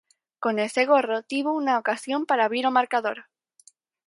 Con ese gorro tivo unha ocasión para abrir o marcador.